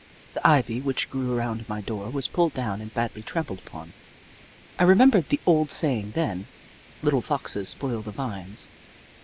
The ivy which grew around my door was pulled down and badly trampled upon. I remembered the old saying, then :" Little foxes spoil the vines."